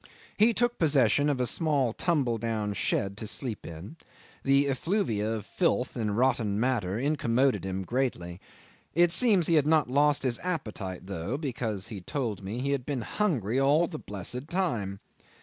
He took possession of a small tumble down shed to sleep in; the effluvia of filth and rotten matter incommoded him greatly: it seems he had not lost his appetite though, because he told me he had been hungry all the blessed time.